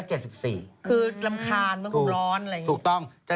คือกลำคาญมันพวกร้อนอะไรอย่างนี้